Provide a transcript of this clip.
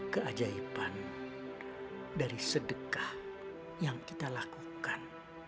keajaiban dari sedekah yang kita lakukan